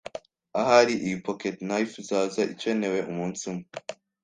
Ahari iyi pocketknife izaza ikenewe umunsi umwe